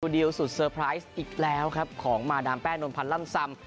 เดียวสุดเซอร์ไพรส์อีกแล้วครับของมาดามแป้นนวลพันธ์ล่ำซำ